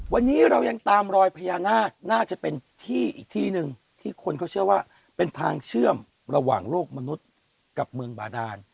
วันนี้เรายังตามรอยพญานาคน่าจะเป็นที่อีกที่หนึ่งที่คนเขาเชื่อว่าเป็นทางเชื่อมระหว่างโลกมนุษย์กับเมืองบาดาน